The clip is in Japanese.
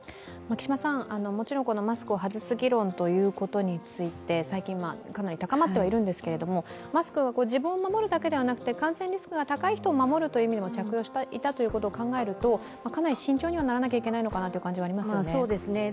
もちろんマスクを外す議論ということについて、最近、かなり高まってはいるんですけれどもマスクは自分を守るだけでなく、感染リスクの高い人も守るという意味でも着用していたということを考えると、かなり慎重にはならないといけないのかなと思いますよね？